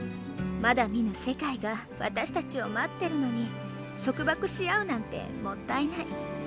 まだ見ぬ世界が私たちを待ってるのに束縛し合うなんてもったいない。